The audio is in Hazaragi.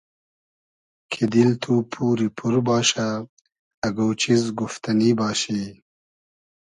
کی دیل تو پوری پور باشۂ اگۉ چیز گوفتئنی باشی